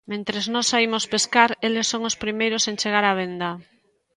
Mentres nós saímos pescar, eles son os primeiros en chegar á venda.